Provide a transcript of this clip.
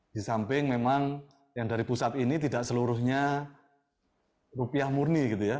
di samping memang yang dari pusat ini tidak seluruhnya rupiah murni gitu ya